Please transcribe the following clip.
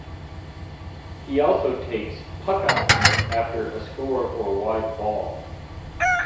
He also takes "puckouts" after a score or wide ball.